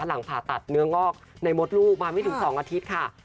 หลังผ่าตัดเนื้องอกในมดลูกมาไม่ถึง๒อาทิตย์ค่ะ